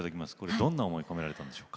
どんな思いを込められたんでしょうか？